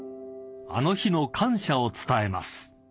［あの日の感謝を伝えます］